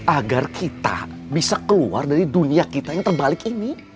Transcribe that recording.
agar kita bisa keluar dari dunia kita yang terbalik ini